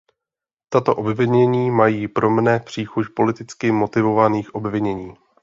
Tato obvinění mají pro mne příchuť politicky motivovaných obvinění.